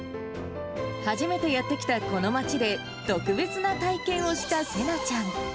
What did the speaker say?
初めてやって来たこの町で、特別な体験をしたせなちゃん。